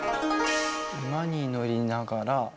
馬に乗りながら。